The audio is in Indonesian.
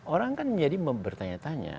orang kan menjadi bertanya tanya